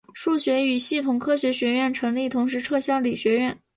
数学与系统科学学院成立同时撤销理学院。